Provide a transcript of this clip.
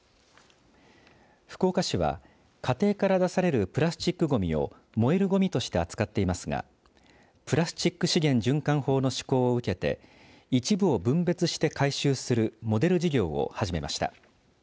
福岡市は家庭から出されるプラスチックごみを燃えるごみとして扱っていますがプラスチック資源循環法の施行を受けて一部を分別して回収するモデル事業を始めました。